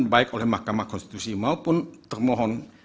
baik oleh mahkamah konstitusi maupun termohon